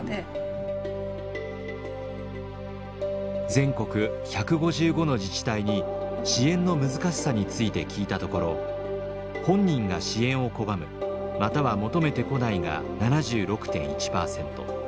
全国１５５の自治体に支援の難しさについて聞いたところ「本人が支援を拒むまたは求めてこない」が７６．１％。